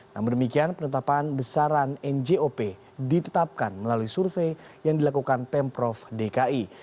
namun demikian penetapan besaran njop ditetapkan melalui survei yang dilakukan pemprov dki